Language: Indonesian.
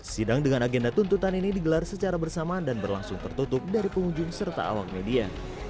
sidang dengan agenda tuntutan ini digelar secara bersamaan dan berlangsung tertutup dari pengunjung serta awak media